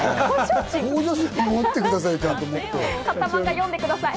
持ってください。